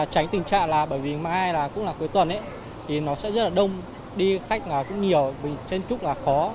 tránh tình trạng là bởi vì mai cũng là cuối tuần thì nó sẽ rất là đông đi khách cũng nhiều trên trúc là khó